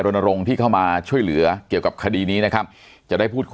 รณรงค์ที่เข้ามาช่วยเหลือเกี่ยวกับคดีนี้นะครับจะได้พูดคุย